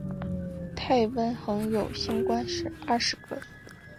太微垣有星官二十个。